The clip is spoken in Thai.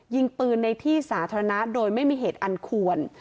ยิงปืนในที่สาธารณะโดยไม่มีเหตุอันควร